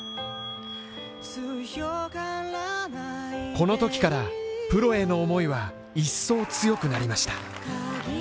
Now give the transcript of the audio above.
このときからプロへの思いは一層強くなりました。